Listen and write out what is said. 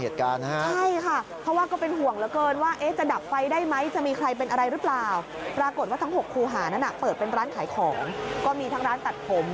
ทั้งร้านขายของก็มีทั้งร้านตัดผม